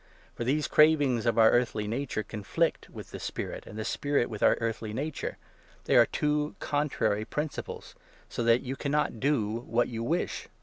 For these 17 cravings of our earthly nature conflict with the Spirit, and the Spirit with our earthly nature — they are two contrary princi ples— so that you cannot do what you wish.